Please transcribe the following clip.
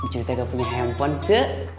cuy aku gak punya handphone cuk